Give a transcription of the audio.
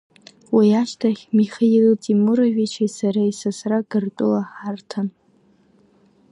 Уи ашьҭахь Михаил Темуровичи сареи сасра Гыртәыла ҳарҭан.